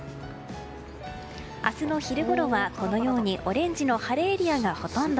明日の昼ごろは、このようにオレンジの晴れエリアがほとんど。